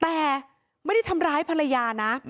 แต่ไม่ได้ทำร้ายภรรยานะ